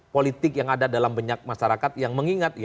politik yang ada dalam banyak masyarakat yang mengingat